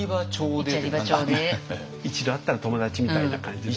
「一度会ったら友だち」みたいな感じの。